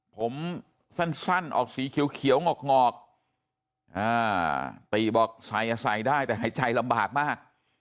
ผมสั้นสั้นออกสีเขียวเขียวงอกงอกอ่าตีบอกใส่อะใส่ได้แต่หายใจลำบากมาก